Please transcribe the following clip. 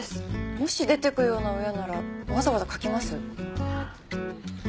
もし出ていくような親ならわざわざ書きます？